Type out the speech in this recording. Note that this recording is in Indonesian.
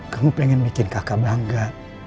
kamu pengen bikin kakak bangga